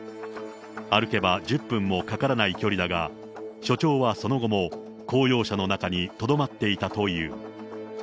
歩けば１０分もかからない距離だが、署長はその後も公用車の中にとどまっていたという。